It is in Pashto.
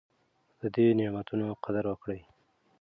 د دې نعمتونو قدر وکړئ.